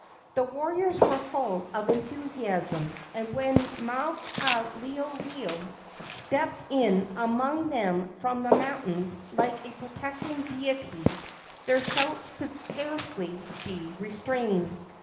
The warriors were full of enthusiasm, and when Maukaleoleo stepped in among them from the mountains like a protecting deity their shouts could scarcely be restrained.